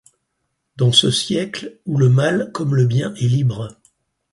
Dans ce siècle où le mal ; comme le bien, est libre